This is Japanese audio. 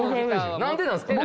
何でなんすか？